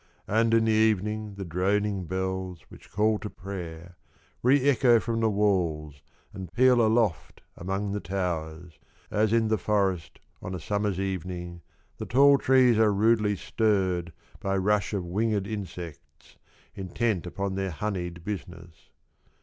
And in the evening the droning bells Which call to prayer, re echo From the walls, and peal aloft among the towers, As in the forest on a summer's evening The tall trees are rudely stirred By rush of winged insects Intent upon their honeyed business.